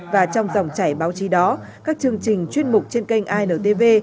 và trong dòng chảy báo chí đó các chương trình chuyên mục trên kênh intv